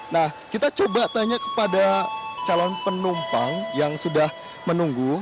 nah kita coba tanya kepada calon penumpang yang sudah menunggu